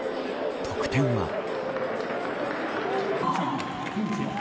得点は。